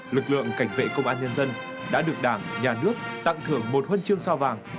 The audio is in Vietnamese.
lực lượng cảnh vệ công an nhân dân đã được đảng nhà nước tặng thưởng một huân chương sao vàng